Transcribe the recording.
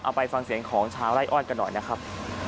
ไปฟังเสียงของชาวไล่อ้อยกันหน่อยนะครับ